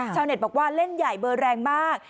เน็ตบอกว่าเล่นใหญ่เบอร์แรงมาก